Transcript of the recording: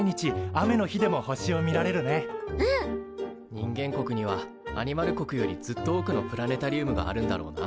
人間国にはアニマル国よりずっと多くのプラネタリウムがあるんだろうな。